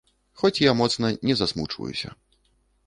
Хоць я моцна не засмучваюся.